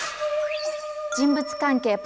人物関係